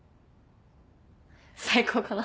最高かな。